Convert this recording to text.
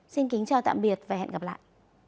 xin kính chào tạm biệt và hẹn gặp lại